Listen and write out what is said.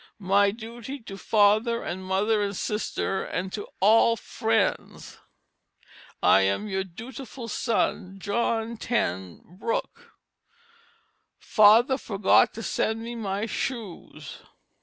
My Duty to Father and Mother and Sister and to all frinds. "I am your Dutyfull Son, "JOHN TEN BROECK. "Father forgot to send me my Schuse."